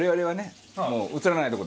はい。